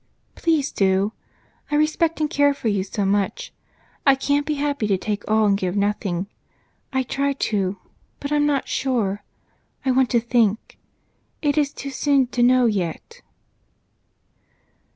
Please do! I respect and care for you so much, I can't be happy to take all and give nothing. I try to, but I'm not sure I want to think it is too soon to know yet."